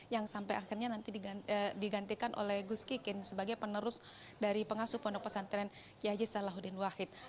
yang sampai akhirnya nanti digantikan oleh gus kikin sebagai penerus dari pengasuh pondok pesantren kiai haji salahuddin wahid